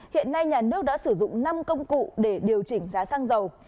hiện nay nhà nước đã sử dụng năm công cụ để điều chỉnh giá xăng dầu